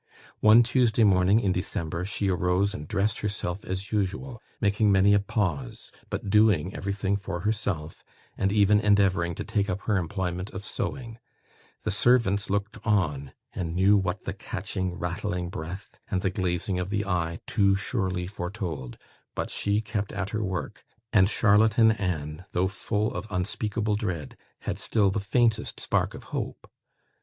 One Tuesday morning, in December, she arose and dressed herself as usual, making many a pause, but doing everything for herself, and even endeavouring to take up her employment of sewing: the servants looked on, and knew what the catching, rattling breath, and the glazing of the eye too surely foretold; but she kept at her work; and Charlotte and Anne, though full of unspeakable dread, had still the faintest spark of hope.